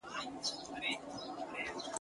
خو ټوټې یې تر میلیون وي رسېدلي ..